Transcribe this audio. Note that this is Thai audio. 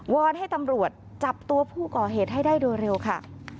อนให้ตำรวจจับตัวผู้ก่อเหตุให้ได้โดยเร็วค่ะ